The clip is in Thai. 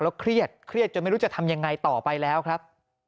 เครียดเครียดจนไม่รู้จะทำยังไงต่อไปแล้วครับ